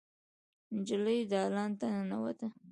نجلۍ دالان ته ننوته.